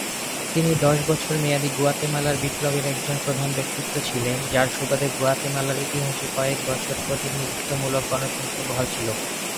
তিনি দশ বছর মেয়াদী গুয়াতেমালার বিপ্লবের একজন প্রধান ব্যক্তিত্ব ছিলেন, যার সুবাদে গুয়াতেমালার ইতিহাসে কয়েক বছর প্রতিনিধিত্বমূলক গণতন্ত্র বহাল ছিল।